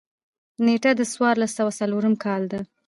نېټه د څوارلس سوه څلورم کال ده.